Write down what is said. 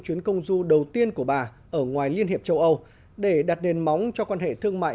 chuyến công du đầu tiên của bà ở ngoài liên hiệp châu âu để đặt nền móng cho quan hệ thương mại